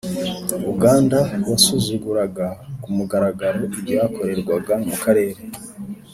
uganda wasuzuguraga ku mugaragaro ibyakorerwaga mu karere.